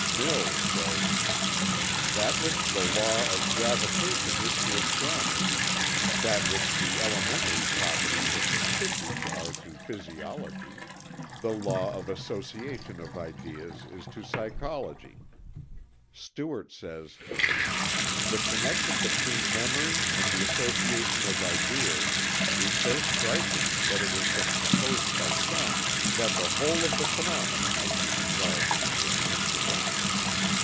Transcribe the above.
Mill says: "That which the law of gravitation is to astronomy; that which the elementary properties of the tissues are to physiology; the law of association of ideas is to psychology." Stewart says: "The connection between memory and the association of ideas is so striking that it has been supposed by some that the whole of the phenomena might be resolved into this principle.